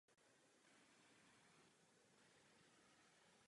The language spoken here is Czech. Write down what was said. O měsíc později se David připravuje na novou práci.